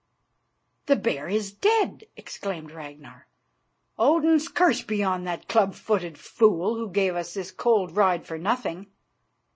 "The bear is dead!" exclaimed Ragnar. "Odin's curse be on that club footed fool who gave us this cold ride for nothing."